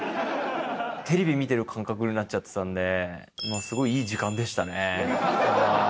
テレビ見てる感覚になっちゃってたんで、すごいいい時間でしたね。